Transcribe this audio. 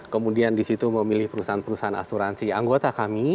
kemudian di situ memilih perusahaan perusahaan asuransi anggota kami